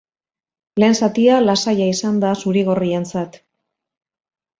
Lehen zatia lasaia izan da zuri-gorrientzat.